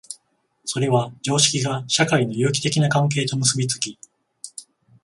それは常識が社会の有機的な関係と結び付き、